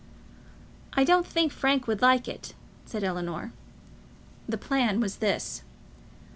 "I don't think Frank would like it," said Ellinor. The plan was this.